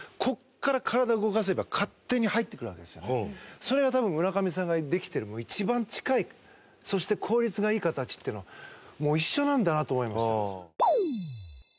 それが多分村上さんができてる一番近いそして効率がいい形っていうのはもう一緒なんだなと思いました。